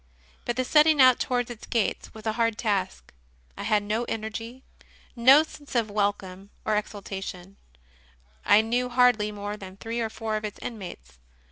But the setting out towards its gates was a hard task. I had no energy, no sense of welcome or ex ultation; I knew hardly more than three or four of its inmates.